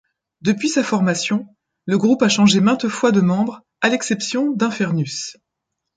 Depuis sa formation, le groupe a changé maintes fois de membres, à l'exception d'Infernus.